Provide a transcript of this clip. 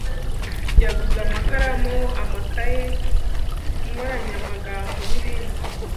Yaguze amakaramu, amakaye, inkoranyamagambo n'ibindi.